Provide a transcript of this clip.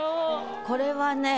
これはね